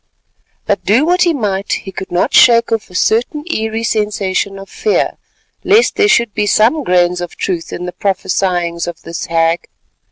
But do what he might, he could not shake off a certain eerie sensation of fear, lest there should be some grains of truth in the prophesyings of this hag.